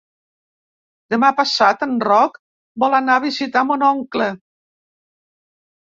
Demà passat en Roc vol anar a visitar mon oncle.